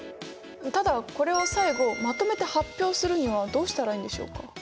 ただこれを最後まとめて発表するにはどうしたらいいんでしょうか？